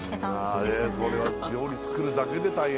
これは料理作るだけで大変。